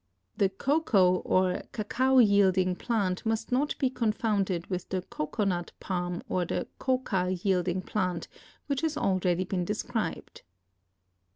The cocoa or cacao yielding plant must not be confounded with the coco nut palm or the coca yielding plant which has already been described.